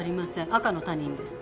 赤の他人です。